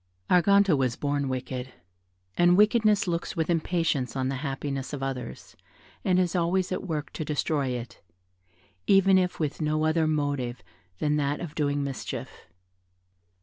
Arganto was born wicked, and wickedness looks with impatience on the happiness of others, and is always at work to destroy it, even if with no other motive but that of doing mischief.